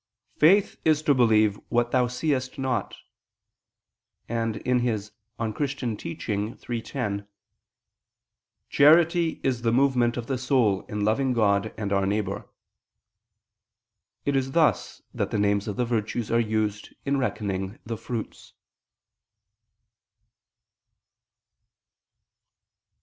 "Faith is to believe what thou seest not"; and (De Doctr. Christ. iii, 10): "Charity is the movement of the soul in loving God and our neighbor." It is thus that the names of the virtues are used in reckoning the fruits.